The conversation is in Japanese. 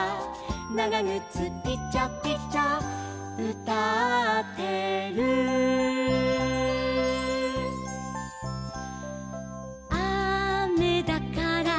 「ながぐつピチャピチャうたってる」「あめだから」